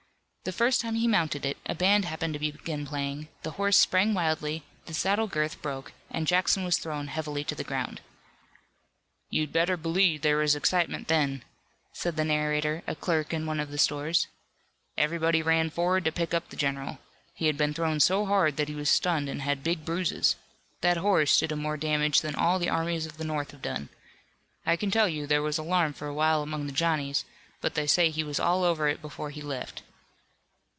The first time he mounted it a band happened to begin playing, the horse sprang wildly, the saddle girth broke and Jackson was thrown heavily to the ground. "You'd better believe there was excitement then," said the narrator, a clerk in one of the stores. "Everybody ran forward to pick up the general. He had been thrown so hard that he was stunned and had big bruises. That horse did him more damage than all the armies of the North have done. I can tell you there was alarm for a while among the Johnnies, but they say he was all over it before he left."